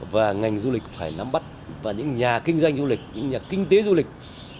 và ngành du lịch phải nắm bắt và những nhà kinh doanh du lịch những nhà kinh tế du lịch